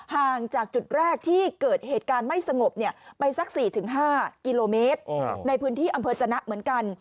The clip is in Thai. ห่างจากจุดแรกที่เกิดเหตุการณ์ไม่สงบไปสัก๔๕กิโลเมตรในพื้นที่อำเภอจนะเหมือนกัน